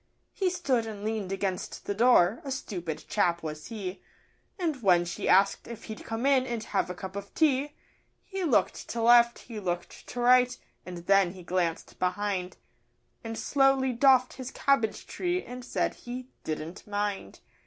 He stood and lean'd against the door a stupid chap was he And, when she asked if he'd come in and have a cup of tea, He looked to left, he looked to right, and then he glanced behind, And slowly doffed his cabbage tree, and said he 'didn't mind.